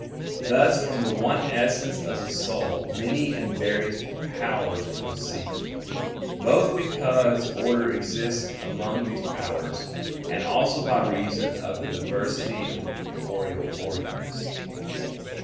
Thus, from the one essence of the soul many and various powers proceed; both because order exists among these powers; and also by reason of the diversity of the corporeal organs.